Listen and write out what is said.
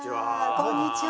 こんにちは。